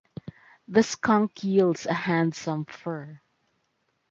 The skunk yields a handsome fur.